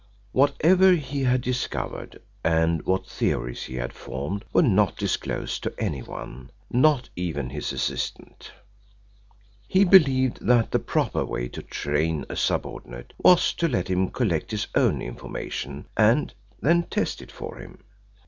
Whatever he had discovered and what theories he had formed were not disclosed to anyone, not even his assistant. He believed that the proper way to train a subordinate was to let him collect his own information and then test it for him.